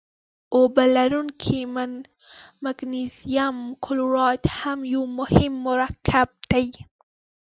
اوبه لرونکی مګنیزیم کلورایډ هم یو مهم مرکب دی.